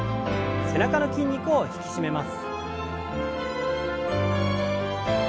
背中の筋肉を引き締めます。